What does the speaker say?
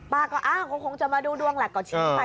ป้าก็อ้าวคงจะมาดูดวงหลักเก้าชิ้นไป